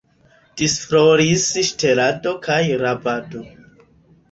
Disfloris ŝtelado kaj rabado.